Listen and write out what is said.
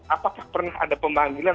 apakah pernah ada pemanggilan